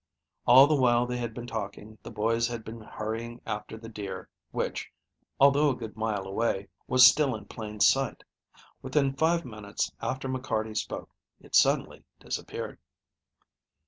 All the while they had been talking the boys had been hurrying after the deer, which, although a good mile away, was still in plain sight. Within five minutes after McCarty spoke, it suddenly disappeared.